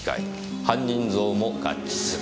犯人像も合致する。